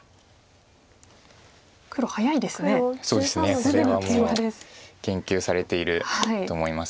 これはもう研究されていると思います。